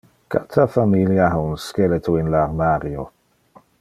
Cata familia ha un skeleto in le armario.